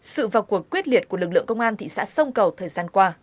sự vào cuộc quyết liệt của lực lượng công an thị xã sông cầu thời gian qua